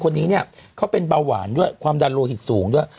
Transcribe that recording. คนนี้เนี่ยเขาเป็นเบาหวานด้วยความดันโลหิตสูงด้วย